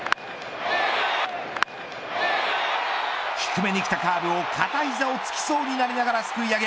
低めに来たカーブを片ひざをつきそうになりながらすくい上げ。